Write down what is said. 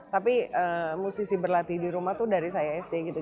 tapi musisi berlatih di rumah tuh dari saya sd gitu